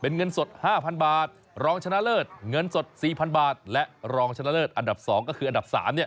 เงินสด๕๐๐บาทรองชนะเลิศเงินสด๔๐๐บาทและรองชนะเลิศอันดับ๒ก็คืออันดับ๓เนี่ย